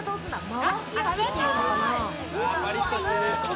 回し焼きって言うのかな？